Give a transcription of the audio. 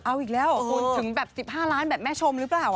เอาอีกแล้วเหรอคุณถึงแบบ๑๕ล้านแบบแม่ชมหรือเปล่า